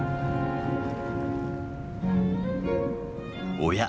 おや？